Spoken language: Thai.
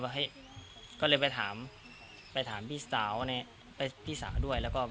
เฮ้ยก็เลยไปถามไปถามพี่สาวไปพี่สาวด้วยแล้วก็